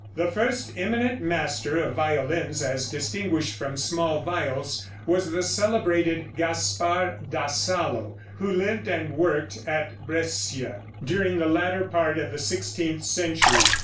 The first eminent master of violins, as distinguished from small viols, was the celebrated Gaspar da Salo, who lived and worked at Brescia during the latter part of the sixteenth century.